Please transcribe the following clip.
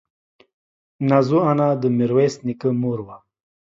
نازو انا د ميرويس نيکه مور وه.